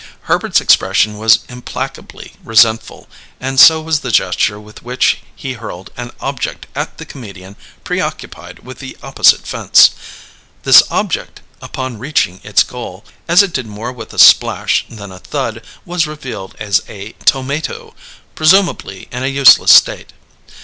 Herbert's expression was implacably resentful, and so was the gesture with which he hurled an object at the comedian preoccupied with the opposite fence. This object, upon reaching its goal, as it did more with a splash than a thud, was revealed as a tomato, presumably in a useless state.